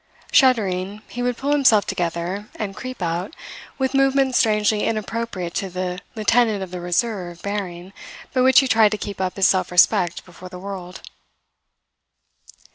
Shuddering, he would pull himself together, and creep out, with movements strangely inappropriate to the Lieutenant of the Reserve bearing by which he tried to keep up his self respect before the world.